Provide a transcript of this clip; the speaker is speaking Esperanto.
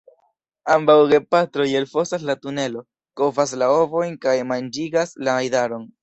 Ambaŭ gepatroj elfosas la tunelo, kovas la ovojn kaj manĝigas la idaron.